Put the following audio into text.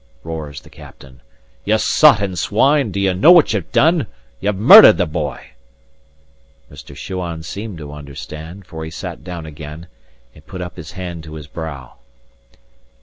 roars the captain. "Ye sot and swine, do ye know what ye've done? Ye've murdered the boy!" Mr. Shuan seemed to understand; for he sat down again, and put up his hand to his brow.